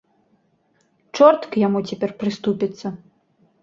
Чорт к яму цяпер прыступіцца.